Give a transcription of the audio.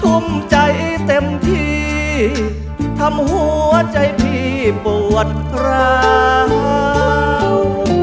ทุ่มใจเต็มที่ทำหัวใจพี่ปวดร้าว